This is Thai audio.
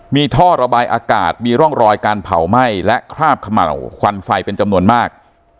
มีท่อระบายอากาศมีร่องรอยการเผาไหม้และคราบเขม่าวควันไฟเป็นจำนวนมาก